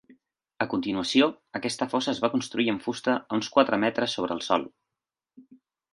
A continuació, aquesta fossa es va construir amb fusta a uns quatre metres sobre el sòl.